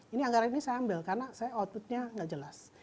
ini anggaran ini saya ambil karena saya outputnya nggak jelas